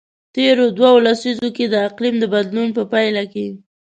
تیرو دوو لسیزو کې د اقلیم د بدلون په پایله کې.